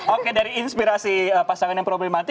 oke dari inspirasi pasangan yang problematik